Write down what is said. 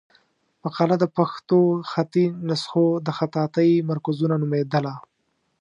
مقاله د پښتو خطي نسخو د خطاطۍ مرکزونه نومېدله.